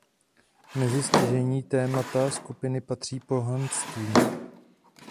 Mezi stěžejní témata skupiny patří pohanství.